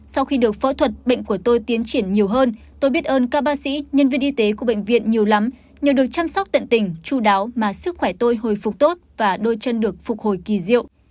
sau khi được phẫu thuật bệnh của tôi tiến triển nhiều hơn tôi biết ơn các bác sĩ nhân viên y tế của bệnh viện nhiều lắm nhờ được chăm sóc tận tình chú đáo mà sức khỏe tôi hồi phục tốt và đôi chân được phục hồi kỳ diệu